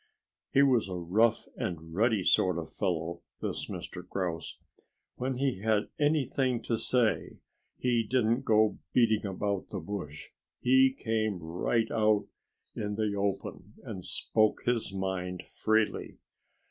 He was a rough and ready sort of fellow this Mr. Grouse. When he had anything to say he didn't go beating about the bush. He came right out in the open and spoke his mind freely.